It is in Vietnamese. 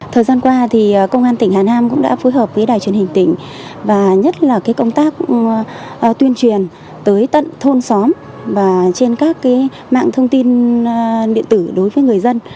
thời gian qua thì công an tỉnh hà nam cũng đã phối hợp với đài truyền hình tỉnh và nhất là công tác tuyên truyền tới tận thôn xóm và trên các mạng thông tin điện tử đối với người dân